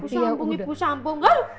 ibu sambung ibu sambung kan